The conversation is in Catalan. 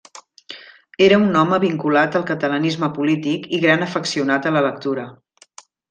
Era un home vinculat al catalanisme polític i gran afeccionat a la lectura.